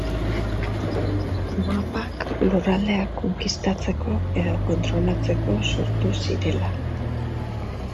Mapak lurraldeak konkistatzeko edo kontrolatzeko sortu zirela.